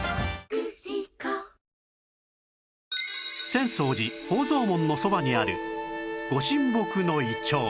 浅草寺宝蔵門のそばにある御神木のイチョウ